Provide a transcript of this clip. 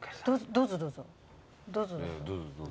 どうぞどうぞ。